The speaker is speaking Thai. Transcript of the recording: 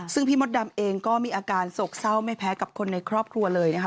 ซึ่งพี่มดดำเองก็มีอาการโศกเศร้าไม่แพ้กับคนในครอบครัวเลยนะคะ